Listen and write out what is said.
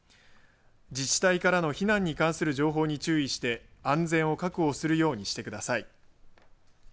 自治体からの避難に関する情報に注意して安全を確保するようにしてください。